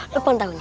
lu pun tau nih